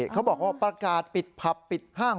เขาบอกว่าประกาศปิดผับปิดห้าง